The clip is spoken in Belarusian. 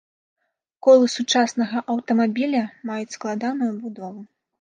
Колы сучаснага аўтамабіля маюць складаную будову.